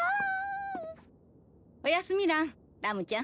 おやすみランラムちゃん